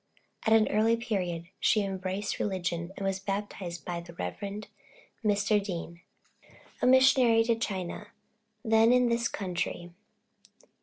At an early period she embraced religion and was baptized by the Rev. Mr. Dean, a missionary to China, then in this country.